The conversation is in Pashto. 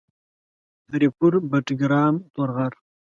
هري پور ، بټګرام ، تورغر